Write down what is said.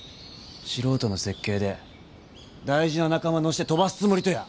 素人の設計で大事な仲間乗して飛ばすつもりとや？